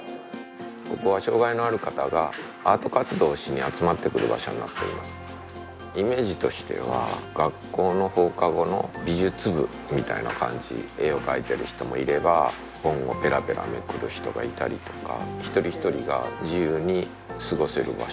ここは障がいのある方がアート活動をしに集まってくる場所になっておりますイメージとしては学校の放課後の美術部みたいな感じ絵を描いている人もいれば本をペラペラめくる人がいたりとか一人一人が自由に過ごせる場所